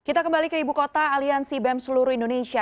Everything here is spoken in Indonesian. kita kembali ke ibu kota aliansi bem seluruh indonesia